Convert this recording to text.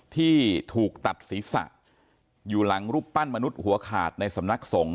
ที่ถูกตัดศีรษะอยู่หลังรูปปั้นมนุษย์หัวขาดในสำนักสงฆ